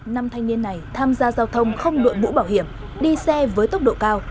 năm thanh niên này tham gia giao thông không đuổi bũ bảo hiểm đi xe với tốc độ cao